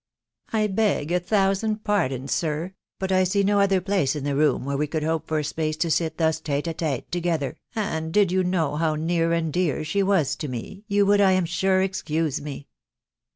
" I beg a thousand pardons, sir, but I see no other place in the room where we could hope for space to sit thus t$te dr t$te together, and did you know how near and dear she was to me, you would, I am sure, excuse me."